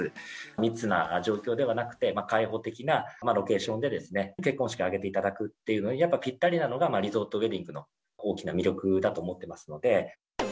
密な状況ではなくて、開放的なロケーションで結婚式を挙げていただくっていうのに、やっぱりぴったりなのが、リゾートウエディングの大きな魅力だと思ってますので。